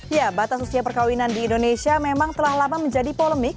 ya batas usia perkawinan di indonesia memang telah lama menjadi polemik